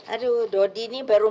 aduh dodi ini baru empat puluh tujuh